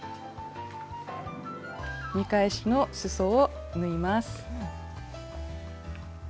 見返しのすそを縫います。